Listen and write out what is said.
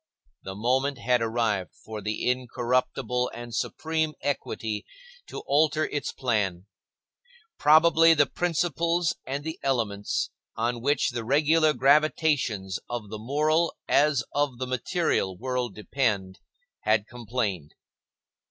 The moment had arrived for the incorruptible and supreme equity to alter its plan. Probably the principles and the elements, on which the regular gravitations of the moral, as of the material, world depend, had complained.